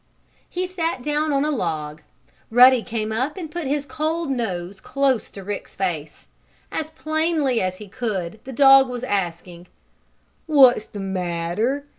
He sat down on a log. Ruddy came up and put his cold nose close to Rick's face. As plainly as he could the dog was asking: "What's the matter?